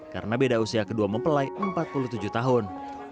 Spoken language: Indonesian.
karena beda usia kedua mempelai empat puluh tujuh tahun